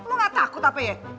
lo gak takut apa ya